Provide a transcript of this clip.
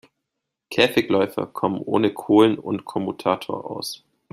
Käfigläufer kommen ohne Kohlen und Kommutator aus.